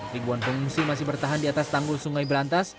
lingkuan pengungsi masih bertahan di atas tangkul sungai berantas